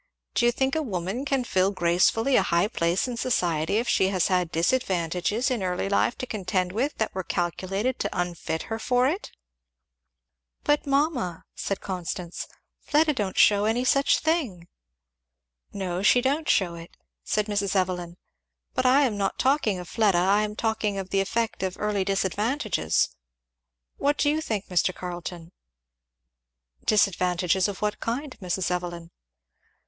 do you think a woman can fill gracefully a high place in society if she has had disadvantages in early life to contend with that were calculated to unfit her for it?" "But mamma," said Constance, "Fleda don't shew any such thing." "No, she don't shew it," said Mrs. Evelyn, "but I am not talking of Fleda I am talking of the effect of early disadvantages. What do you think, Mr. Carleton?" "Disadvantages of what kind, Mrs. Evelyn?"